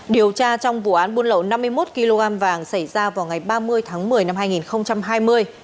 điều tra trong vụ án buôn lậu năm mươi một kg vàng xảy ra vào ngày ba mươi tháng một mươi năm hai nghìn hai mươi